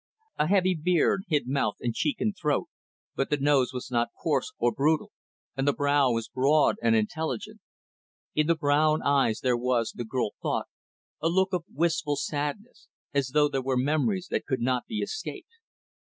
A heavy beard hid mouth and cheek and throat, but the nose was not coarse or brutal, and the brow was broad and intelligent. In the brown eyes there was, the girl thought, a look of wistful sadness, as though there were memories that could not be escaped.